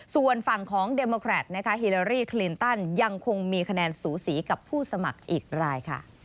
ส่วนฝั่งของเดโมแครตฮิลารี่คลินตันยังคงมีคะแนนสูสีกับผู้สมัครอีกรายค่ะ